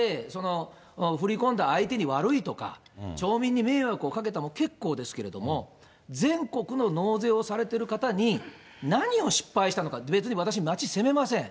振り込んだ相手に悪いとか、町民に迷惑をかけても結構ですけれども、全国の納税をされてる方に、何を失敗したのか、別に私、町責めません。